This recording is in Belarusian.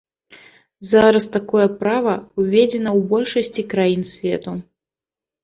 Зараз такое права ўведзена ў большасці краін свету.